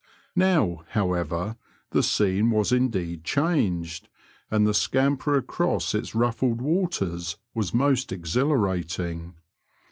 Now, howeyer, the scene was indeed changed, and the scamper across its raffled waters was most exhilarating.